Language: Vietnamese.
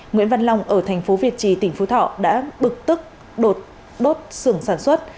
nguyễn văn long ở thành phố việt trì tỉnh phú thọ đã bực tức đốt xưởng sản xuất